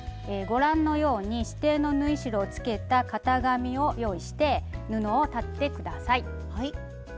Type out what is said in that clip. ご覧のように指定の縫い代をつけた型紙を用意して布を裁って下さい。